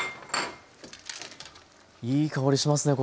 いい香りしますね。